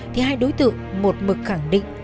thì hai đối tượng một mực khẳng định